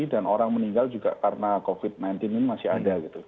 dan orang meninggal juga karena covid sembilan belas ini masih ada